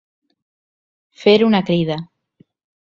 Fer una crida.